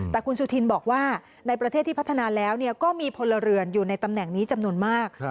แต่คุณสุธินบอกว่าในประเทศที่พัฒนาแล้วก็มีพลเรือนอยู่ในตำแหน่งนี้จำนวนมาก